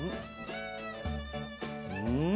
うん！